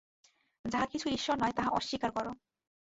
যাহা কিছু ঈশ্বর নয়, তাহা অস্বীকার কর।